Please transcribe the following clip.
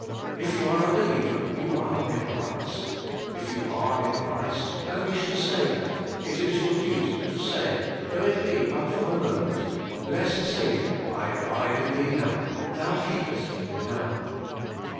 If you are a believer, you are in Christ. If you are in Christ, and wish to stay there, it is your duty to say, though it be but for a moment, 'Blessed Saviour, I abide in Thee now; Thou keepest me now.'